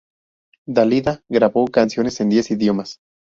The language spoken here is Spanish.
Dalida grabó canciones en diez idiomas.